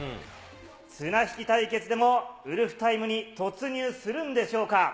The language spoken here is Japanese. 綱引き対決でも、ウルフタイムに突入するんでしょうか。